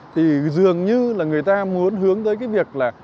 thì dường như là người ta muốn hướng tới cái việc là